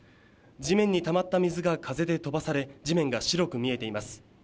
地面にたまった水が風で飛ばされ地面が白く見えています。